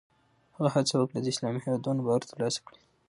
هغه هڅه وکړه د اسلامي هېوادونو باور ترلاسه کړي.